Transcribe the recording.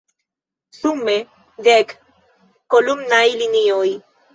Sume, dek kolumnaj linioj.